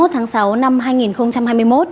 hai mươi tháng sáu năm hai nghìn hai mươi một